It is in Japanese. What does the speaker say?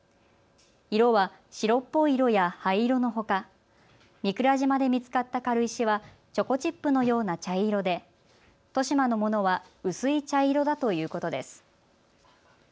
色は白っぽい色や灰色のほか御蔵島で見つかった軽石はチョコチップのような茶色で利島のものは薄い茶色だということです。